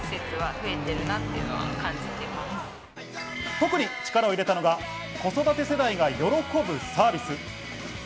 特に力を入れたのが子育て世代が喜ぶサービス。